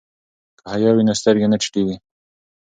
که حیا وي نو سترګې نه ټیټیږي.